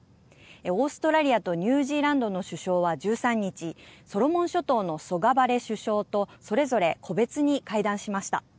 オーストラリアとニュージーランドの首相は１３日ソロモン諸島のソガバレ首相とそれぞれ個別に会談しました。